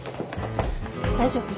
大丈夫？